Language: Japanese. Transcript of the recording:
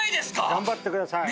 頑張ってください